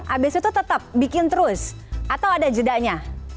abis itu tetap bikin terus atau ada jedanya